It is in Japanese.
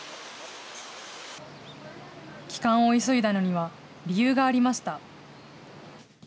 帰還を急いだのには、理由がありました。